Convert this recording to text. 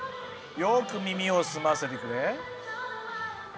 よく耳を澄ませてくれ。